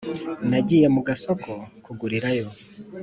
nagiye mu gasoko kugurirayo